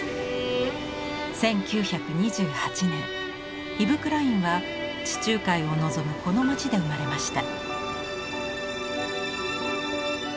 １９２８年イヴ・クラインは地中海を望むこの町で生まれました。